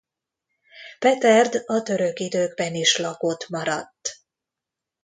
Peterd a török időkben is lakott maradt.